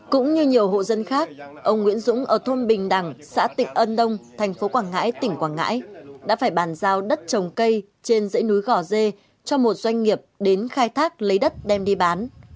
cũng như nhiều hộ dân khác ông nguyễn dũng ở thôn bình đẳng xã tịnh ân đông thành phố quảng ngãi tỉnh quảng ngãi đã phải bàn giao đất trồng cây trên dãy núi gò dê cho một doanh nghiệp đến khai thác lấy đất đem đi bán